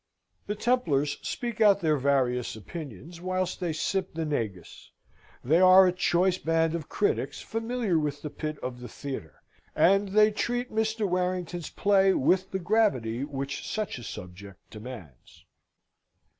The Templars speak out their various opinions whilst they sip the negus. They are a choice band of critics, familiar with the pit of the theatre, and they treat Mr. Warrington's play with the gravity which such a subject demands.